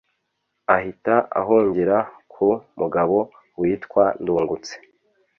Ahita ahungira ku mugabo witwa Ndungutse